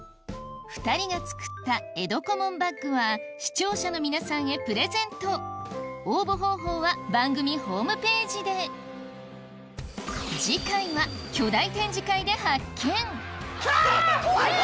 ２人が作った江戸小紋バッグは視聴者の皆さんへプレゼント応募方法は番組ホームページで次回は巨大展示会で発見！